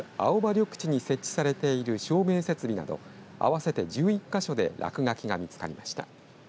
緑地に設置されている照明設備など合わせて１１か所で落書きが見つかりました。